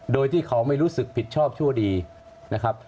โดยที่เขาไม่รู้สึกผิดชอบชั่วดีนะครับ